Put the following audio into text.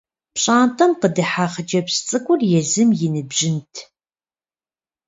ПщIантIэм къыдыхьа хъыджэбз цIыкIур езым и ныбжьынт.